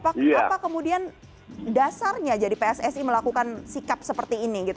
apa kemudian dasarnya jadi pssi melakukan sikap seperti ini gitu